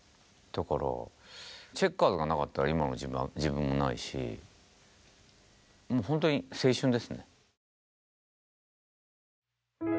だからチェッカーズがなかったら今の自分もないしほんとに青春ですね。